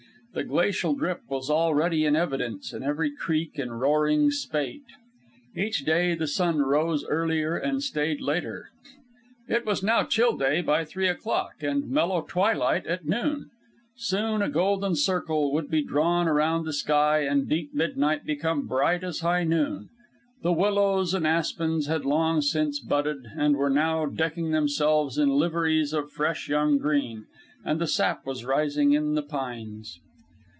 The glacial drip was already in evidence, and every creek in roaring spate. Each day the sun rose earlier and stayed later. It was now chill day by three o'clock and mellow twilight at nine. Soon a golden circle would be drawn around the sky, and deep midnight become bright as high noon. The willows and aspens had long since budded, and were now decking themselves in liveries of fresh young green, and the sap was rising in the pines.